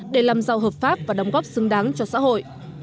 để làm giàu hợp pháp và đóng góp xứng đáng cho xã hội